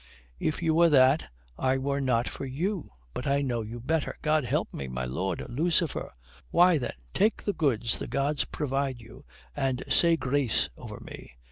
If you were that, I were not for you. But I know you better, God help me, my Lord Lucifer. Why then, take the goods the gods provide you and say grace over me."